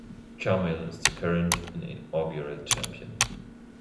Chamuel is the current and inaugural champion.